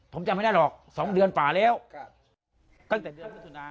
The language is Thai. ผมจำไม่ได้หรอก๒เดือนฝ่าแล้ว